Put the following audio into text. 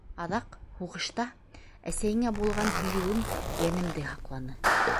Аҙаҡ, һуғышта, әсәйеңә булған һөйөүем йәнемде һаҡланы.